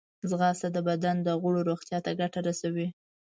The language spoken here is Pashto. ځغاسته د بدن د غړو روغتیا ته ګټه رسوي